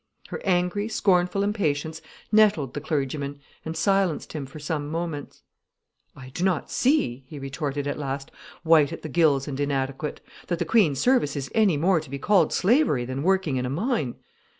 Her angry, scornful impatience nettled the clergyman and silenced him for some moments. "I do not see," he retorted at last, white at the gills and inadequate, "that the Queen's service is any more to be called slavery than working in a mine."